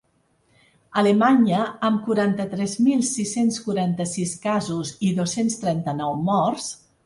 Alemanya, amb quaranta-tres mil sis-cents quaranta-sis casos i dos-cents trenta-nou morts.